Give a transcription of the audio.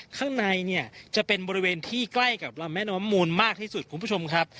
ข้างในเนี่ยจะเป็นบริเวณที่ใกล้กับลำแม่น้ำมูลมากที่สุดคุณผู้ชมครับ